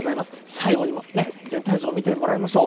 最後にね、全体像を見てもらいましょう。